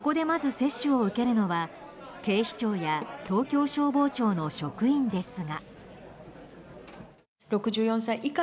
ここでまず接種を受けるのは警視庁や東京消防庁の職員ですが。